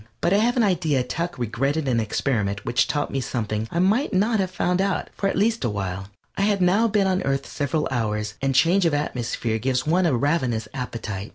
But I have an idea Tuck regretted an experiment which taught me something I might not have found out, at least for a while. I had now been on Earth several hours, and change of atmosphere gives one a ravenous appetite.